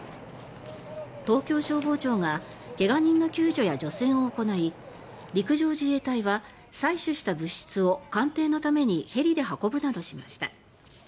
東京消防庁が怪我人の救助や除染を行い陸上自衛隊は採取した物質を鑑定のためにヘリで運ぶなどしました。